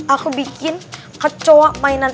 aku bikin kecoa mainan